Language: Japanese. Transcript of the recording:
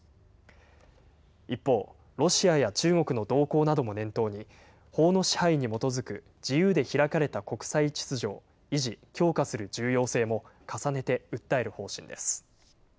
一方、ロシアや中国の動向なども念頭に、法の支配に基づく自由で開かれた国際秩序を維持・強化する重要性も重ねて訴える方針です。